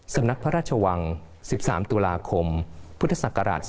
สำนักพระราชวัง๑๓ตุลาคมพศ๒๕๕๙